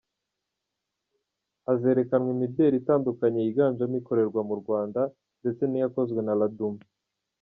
Hazerekanwa imideli itandukanye yiganjemo ikorerwa mu Rwanda ndetse n’iyakozwe na Laduma.